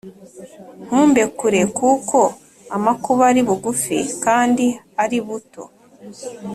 Ntumbe kure kuko amakuba ari bugufi Kandi ari buto